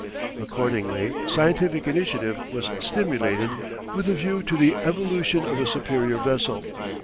Accordingly scientific initiative was stimulated with a view to the evolution of a superior vessel.